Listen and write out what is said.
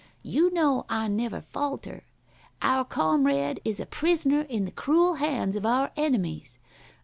You know I never falter. Our comrade is a prisoner in the cruel hands of our enemies.